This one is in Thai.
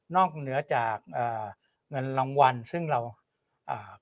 เหนือจากเอ่อเงินรางวัลซึ่งเราอ่า